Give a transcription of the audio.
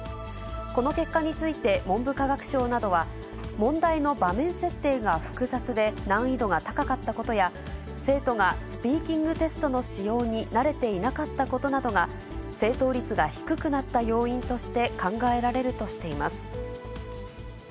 この結果について文部科学省などは、問題の場面設定が複雑で難易度が高かったことや、生徒がスピーキングテストの仕様に慣れていなかったことなどが、正答率が低くなった要因として考えられるとしています。